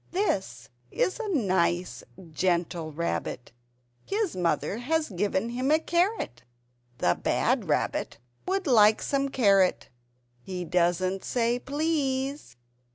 This is a nice gentle Rabbit. His mother has given him a carrot. The bad Rabbit would like some carrot. He doesn't say "Please."